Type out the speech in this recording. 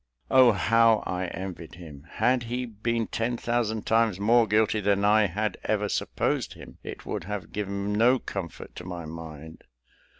Oh, how I envied him! Had he been ten thousand times more guilty than I had ever supposed him, it would have given no comfort to my mind.